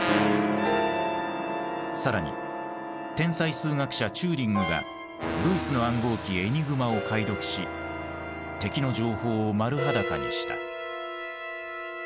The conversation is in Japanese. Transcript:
更に天才数学者チューリングがドイツの暗号機エニグマを解読し敵の情報を丸裸にした。